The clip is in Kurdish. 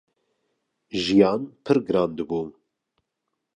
jiyan pir giran dibû.